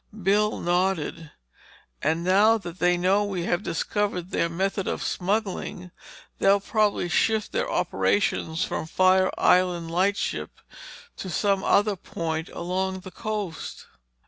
Bill nodded. "And now that they know we have discovered their method of smuggling, they'll probably shift their operations from Fire Island Lightship to some other point along the coast."